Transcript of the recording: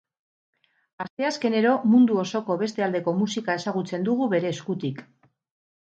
Asteazkenero mundu osoko beste aldeko musika ezagutzen dugu bere eskutik.